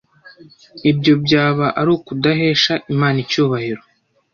Ibyo byaba ari ukudahesha Imana icyubahiro